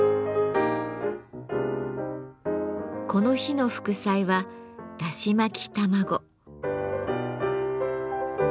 この日の副菜はだし巻き卵。